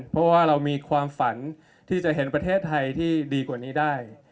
เพราะว่าเรามีความฝันที่จะเห็นประเทศไทยที่ดีกว่านี้ได้